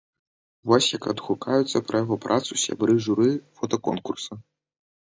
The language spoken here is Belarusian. Вось як адгукаюцца пра яго працу сябры журы фотаконкурса.